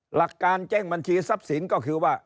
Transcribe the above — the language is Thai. หลักการแจ้งบัญชีทรัพย์สินก็คือว่า